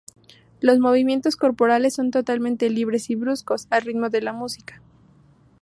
Los movimientos corporales son totalmente libres y bruscos, al ritmo de la música.